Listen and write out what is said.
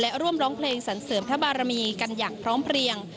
และร่วมร้องเพลงสันเสริมพระบารมีกันอย่างพร้อมเพลียง